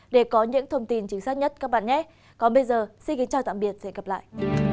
để có những thông tin chính xác nhất các bạn nhé còn bây giờ xin kính chào tạm biệt và hẹn gặp lại